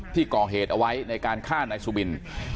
ที่ก่อเหตุเอาไว้ในการฆ่านายสุบิน